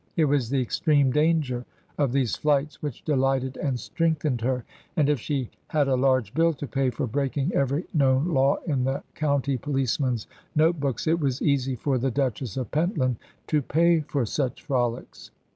It was the extreme danger of these flights which delighted and strengthened her; and if she had a large bill to pay for breaking every known law in the county policemen's note books, it was easy for the Duchess of Pentland to pay for such frolics.